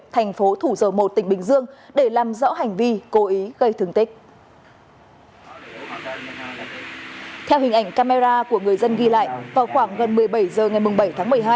theo hình ảnh camera của người dân ghi lại vào khoảng gần một mươi bảy h ngày bảy tháng một mươi hai